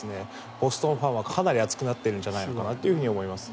ボストンファンはかなり熱くなっているんじゃないかと思います。